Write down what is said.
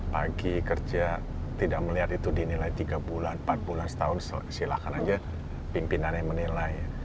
pagi kerja tidak melihat itu dinilai tiga bulan empat bulan setahun silahkan aja pimpinannya menilai